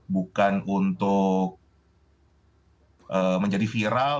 bukan untuk menjadi viral